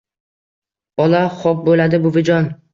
Bola: xop buladi buvijon...